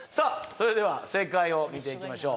それでは正解を見ていきましょう